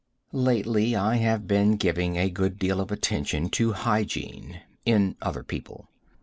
Lately I have been giving a good deal of attention to hygiene in other people.